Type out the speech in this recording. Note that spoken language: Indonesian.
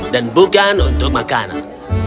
dan bukan untuk makanan